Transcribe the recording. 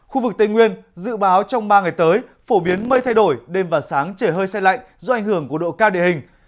khu vực tây nguyên dự báo trong ba ngày tới phổ biến mây thay đổi đêm và sáng trời hơi xe lạnh do ảnh hưởng của độ cao địa hình